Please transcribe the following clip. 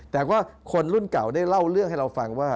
แต่ว่าคนรุ่นเก่าได้เล่าเรื่องให้เราฟังว่า